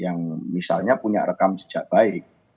yang misalnya punya rekam jejak baik